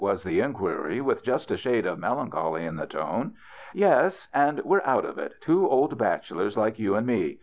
" was the inquiry, with just a shade of melancholy in the tone. " Yes. And we're out of it — two old bach elors like you and me.